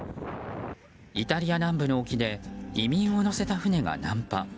イタリア南部の沖で移民を乗せた船が難破。